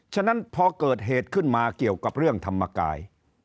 ฉะนั้นพอเกิดเหตุขึ้นมาเกี่ยวกับเรื่องธรรมกาย